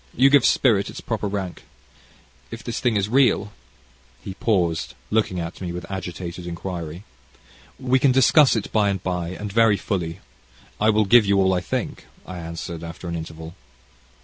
You give spirit its proper rank. If this thing is real " He paused looking at me with agitated inquiry. "We can discuss it by and by, and very fully. I will give you all I think," I answered, after an interval.